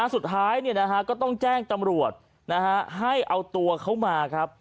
สุดท้ายก็ต้องแจ้งตำรวจให้เอาตัวเขามาครับ